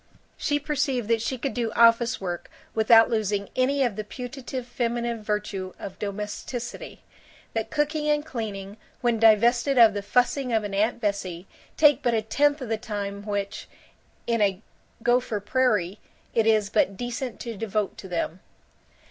She perceived that she could do office work without losing any of the putative feminine virtue of domesticity; that cooking and cleaning, when divested of the fussing of an Aunt Bessie, take but a tenth of the time which, in a Gopher Prairie, it is but decent to devote to them.